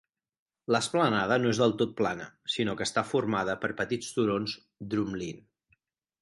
L"esplanada no és del tot plana, sinó que està formada per petits turons drumlin.